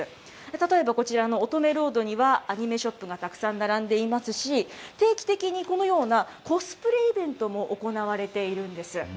例えば、こちらの乙女ロードには、アニメショップがたくさん並んでいますし、定期的にこのようなコスプレイベントも行われているんです。